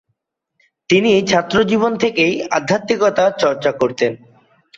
তিনি ছাত্রজীবন থেকেই আধ্যাত্মিকতা চর্চা করতেন।